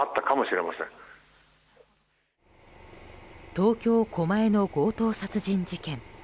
東京・狛江の強盗殺人事件。